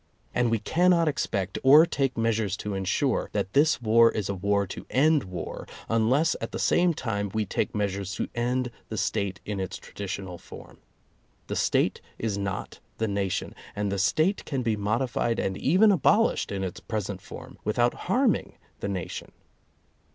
And we cannot expect, or take measures to ensure, that this war is a war to end war, unless at the same time we take measures to end the State in its traditional form. The State is not the nation, and the State can be modified and even abolished in its present form, without harming the nation.